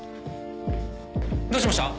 どうしました？